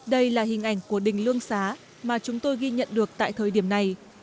đây là hình ảnh của đình lương xá mà chúng tôi ghi nhận được tại thời điểm này